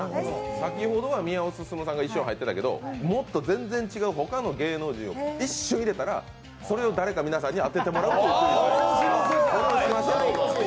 先ほどは宮尾すすむが一瞬入ってたけど、もっと全然違う他の芸能人を一瞬入れたら、それを誰か皆さんに当ててもらおうというクイズです。